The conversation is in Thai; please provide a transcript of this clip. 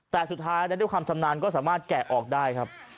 แต่สุดท้ายด้วยคำสำนันก็สามารถแกะออกได้ครับ